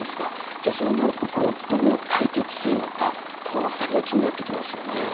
じゃあそうなるとこれをどう解決するのかこの辺りが気になってきますよね。